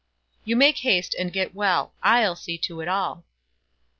2 You make haste and get well: I'll see to it all."